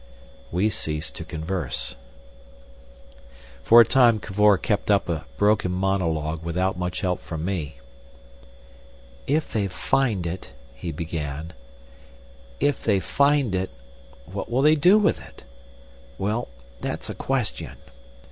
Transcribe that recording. We ceased to converse. For a time Cavor kept up a broken monologue without much help from me. "If they find it," he began, "if they find it ... what will they do with it? Well, that's a question.